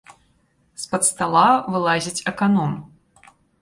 З-пад стала вылазіць аканом.